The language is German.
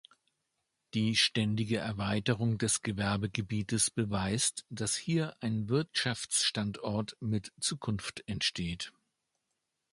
Die ständige Erweiterung des Gewerbegebietes beweist, dass hier ein Wirtschaftsstandort mit Zukunft entsteht.